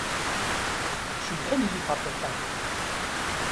Cebḥen yiferṭeṭṭa.